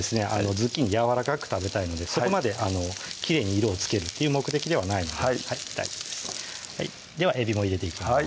ズッキーニやわらかく食べたいのでそこまできれいに色をつけるという目的ではないので大丈夫ですではえびも入れていきます